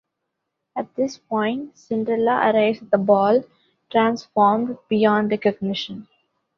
At this point, Cinderella arrives at the ball, transformed beyond recognition.